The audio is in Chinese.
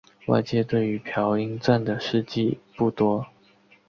外界对于朴英赞的事迹不多。